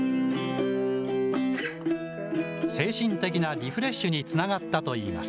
リフレッシュにつながったといいます。